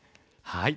はい。